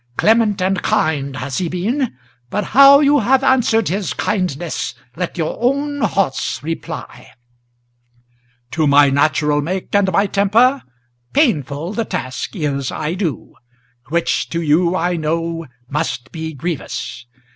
Clement and kind has he been; but how you have answered his kindness, Let your own hearts reply! To my natural make and my temper Painful the task is I do, which to you I know must be grievous.